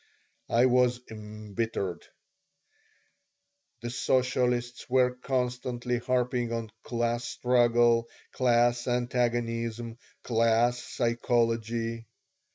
I was embittered The socialists were constantly harping on "class struggle," "class antagonism," "class psychology."